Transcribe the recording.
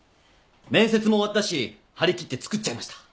面接も終わったし張り切って作っちゃいました。